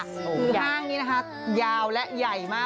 คือห้างนี้นะคะยาวและใหญ่มาก